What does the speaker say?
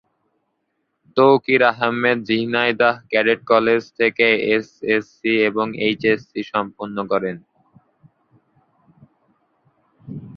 Tauqir Ahmed Jhenaidah cadet college থেকে S S C এবং HSC সম্পন্ন করেন।